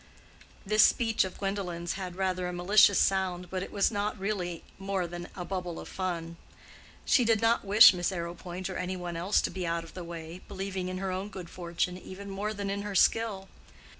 This speech of Gwendolen's had rather a malicious sound, but it was not really more than a bubble of fun. She did not wish Miss Arrowpoint or any one else to be out of the way, believing in her own good fortune even more than in her skill.